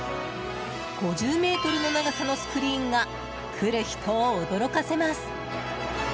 ５０ｍの長さのスクリーンが来る人を驚かせます。